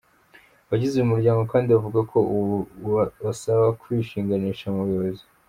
Abagize uyu muryango kandi bavuga ko ubu basaba kwishinganisha mu buyobozi.